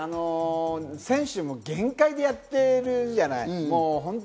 選手も限界でやっているじゃない？